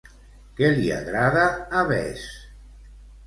Qui li agrada a Bess?